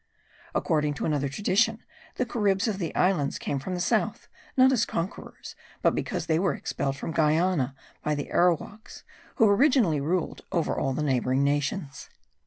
According to another tradition, the Caribs of the islands came from the south, not as conquerors, but because they were expelled from Guiana by the Arowaks, who originally ruled over all the neighbouring nations.